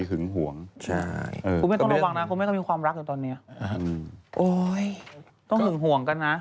ต้องห่วงห่วงกันนะ